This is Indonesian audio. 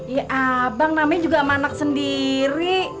ya abang namanya juga anak sendiri